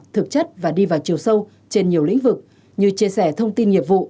thực chất và đi vào chiều sâu trên nhiều lĩnh vực như chia sẻ thông tin nghiệp vụ